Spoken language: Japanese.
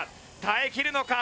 耐えきるのか？